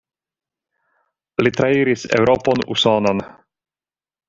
Li trairis Eŭropon, Usonon.